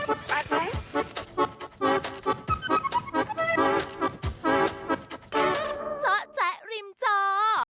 โอ้โฮแรงจริงจอด